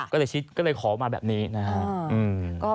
ก็เลยฝากมาแบบนี้นะฮะ